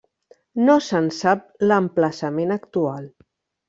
No se'n sap l'emplaçament actual.